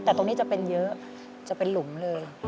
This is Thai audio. แต่ตรงนี้จะเป็นเยอะจะเป็นหลุมเลย